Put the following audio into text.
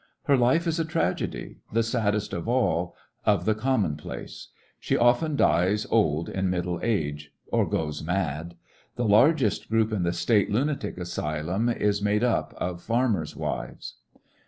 Her life is a tragedy— the saddest of all— of the commonplace. She often dies old in middle age, or goes mad. The largest group in the State lunatic asylums is made up of farmers' wives.